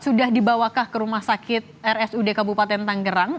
sudah dibawakah ke rumah sakit rsud kabupaten tanggerang